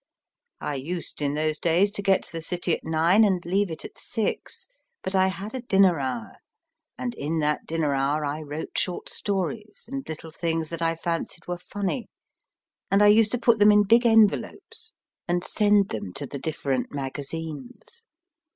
I used, in those days, to get to the City at nine and leave it at six, but I had a dinner hour, and in that dinner hour I wrote short stories and little things that I fancied were funny, and I used to put them in ^__,,.,_.._,......_...^ big envelopes and send them to the different magazines.